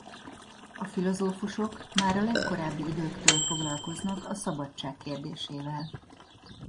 A filozófusok már a legkorábbi időktől foglalkoznak a szabadság kérdésével.